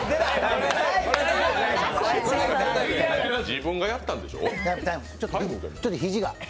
自分がやったんでしょう？